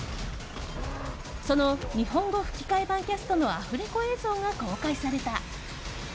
その日本語吹き替え版キャストのアフレコ映像が公開された。